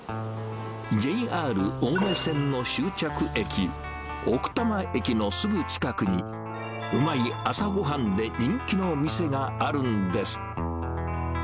ＪＲ青梅線の終着駅、奥多摩駅のすぐ近くに、うまい朝ごはんで人気の店があるんです。